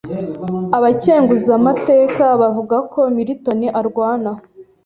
Abakenguzamateka bavuga ko Milton arwana